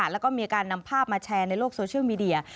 แล้วก็มีการนำภาพมาแชร์ในโลกโซเชียลมีเดีย